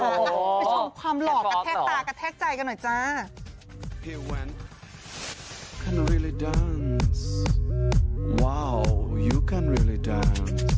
ไปชมความหล่อกระแทกตากระแทกใจกันหน่อยจ้า